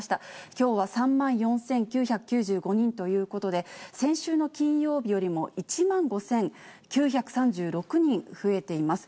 きょうは３万４９９５人ということで、先週の金曜日よりも１万５９３６人増えています。